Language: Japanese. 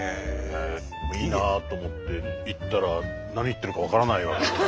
いいなあと思って行ったら何言ってるか分からない。